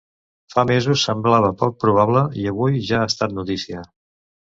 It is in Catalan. Fa mesos semblava poc probable i avui ja ha estat notícia.